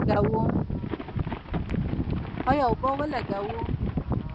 آیا اوبه ولګوو؟